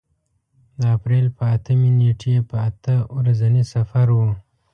د اپرېل په اتمې نېټې په اته ورځني سفر و.